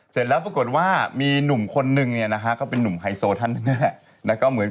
เสร็จแล้วปรากฏว่ามีหนุ่มคนนึงเนี่ยนะฮะก็เป็นนุ่มไฮโซท่านหนึ่ง